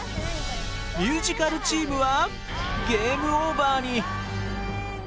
ミュージカルチームはゲームオーバーに！